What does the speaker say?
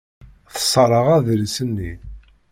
Tesserɣ adlis-nni.